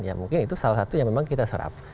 ya mungkin itu salah satu yang memang kita serap